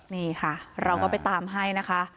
นี่ค่ะเราก็ไปตามให้นะคะ